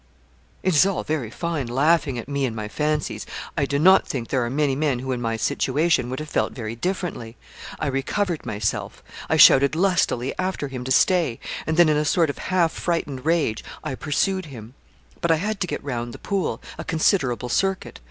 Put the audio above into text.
It is all very fine laughing at me and my fancies. I do not think there are many men who in my situation would have felt very differently. I recovered myself; I shouted lustily after him to stay, and then in a sort of half frightened rage, I pursued him; but I had to get round the pool, a considerable circuit.